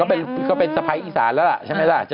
คือก็เป็นสไผร์อีสานแล้วล่ะใช่ไหมล่ะ